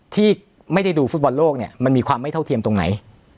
ที่ไม่ได้ดูฟุตบอลโลกเนี่ยมันมีความไม่เท่าเทียมตรงไหน